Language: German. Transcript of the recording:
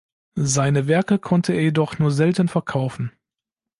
Seine Werke konnte er jedoch nur selten verkaufen.